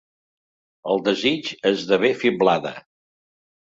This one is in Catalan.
El desig esdevé fiblada.